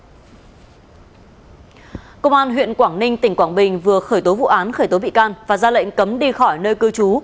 công an huyện quảng ninh tỉnh quảng bình vừa khởi tố vụ án khởi tố bị can và ra lệnh cấm đi khỏi nơi cư trú